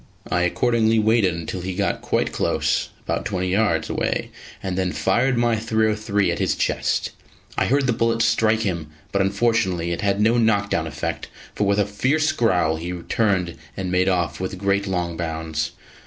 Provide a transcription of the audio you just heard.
I accordingly waited until he got quite close about twenty yards away and then fired my .303 at his chest. I heard the bullet strike him, but unfortunately it had no knockdown effect, for with a fierce growl he turned and made off with great long bounds.